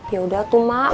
yaudah tuh mak